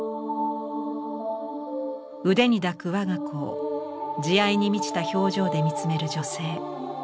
腕に抱く我が子を慈愛に満ちた表情で見つめる女性。